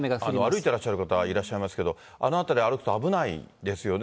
歩いていらっしゃる方がいらっしゃいますけど、あの辺り歩くと危ないですよね。